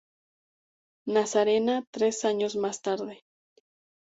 La Nazarena, tres años más tarde.